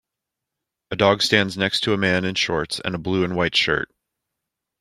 A dog stands next to a man in shorts and a blue and white shirt.